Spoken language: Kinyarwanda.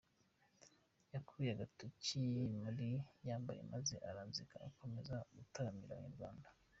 Yakuye agakote yari yambaye maze aranzika akomeza gutaramira abanyarwanda.